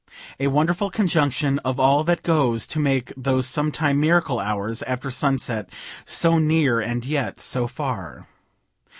A wonderful conjunction of all that goes to make those sometime miracle hours after sunset so near and yet so far.